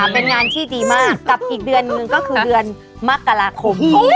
เป็นงานที่ดีมากกับอีกเดือนหนึ่งก็คือเดือนมกราคม